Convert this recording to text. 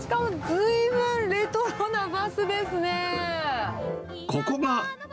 ずいぶんレトロなバスですね。